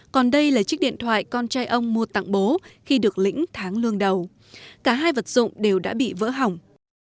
còn đây là chiếc điện thoại con trai ông mua tặng bố khi được lĩnh tháng lương đầu cả hai vật dụng đều đã bị vỡ hỏng